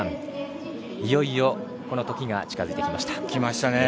いよいよこの時が近づいてきました。